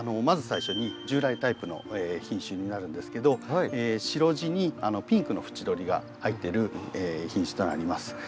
まず最初に従来タイプの品種になるんですけど白地にピンクの縁取りが入ってる品種となります。